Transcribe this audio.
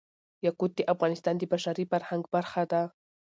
یاقوت د افغانستان د بشري فرهنګ برخه ده.